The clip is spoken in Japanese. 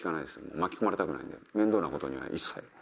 巻き込まれたくないんで面倒なことには一切。